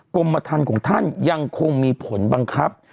กรมธรรมของท่านยังคงมีผลบังคับ